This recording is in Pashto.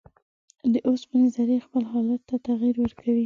د اوسپنې ذرې خپل حالت ته تغیر ورکوي.